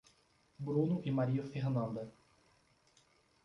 Bruno e Maria Fernanda